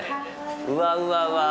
うわうわうわ。